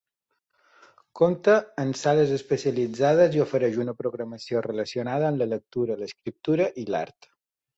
Compta amb sales especialitzades i ofereix una programació relacionada amb la lectura, l'escriptura i l'art.